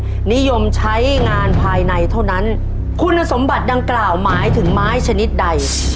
นิยมใช้งานภายในเท่านั้นคุณสมบัติดังกล่าวหมายถึงไม้ชนิดใด